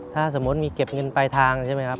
ถ้าสมมุติมีเก็บเงินปลายทางใช่ไหมครับ